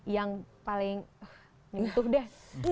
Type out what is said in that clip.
yang paling itu udah